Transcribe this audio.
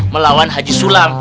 melawan haji sulam